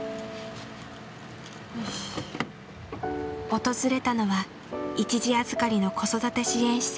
訪れたのは一時預かりの子育て支援施設。